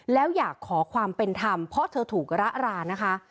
แล้วอยากขอความเป็นธรรมเพราะเธอถูกระรานะคะ